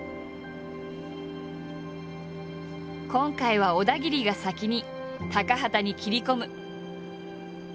今回は小田切が先に高畑に切り込む。